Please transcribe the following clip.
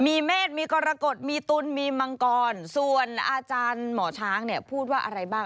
มีเมฆมีกรกฎมีตุลมีมังกรส่วนอาจารย์หมอช้างเนี่ยพูดว่าอะไรบ้าง